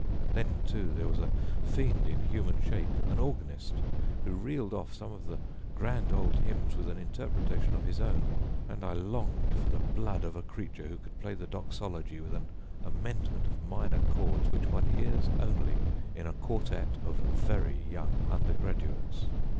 Then, too, there was a fiend in human shape, an organist, who reeled off some of the grand old hymns with an interpretation of his own, and I longed for the blood of a creature who could play the doxology with an amendment of minor chords which one hears only in a quartet of very young undergraduates.